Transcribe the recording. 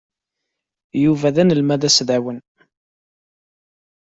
Yuba d anelmad asdawan.